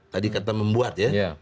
tadi kata membuat ya